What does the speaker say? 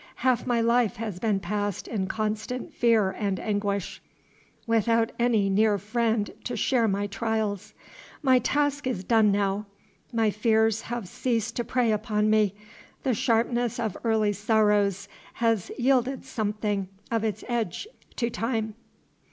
Half my life has been passed in constant fear and anguish, without any near friend to share my trials. My task is done now; my fears have ceased to prey upon me; the sharpness of early sorrows has yielded something of its edge to time.